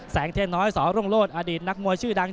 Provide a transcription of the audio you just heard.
งเทน้อยสรุ่งโลศอดีตนักมวยชื่อดัง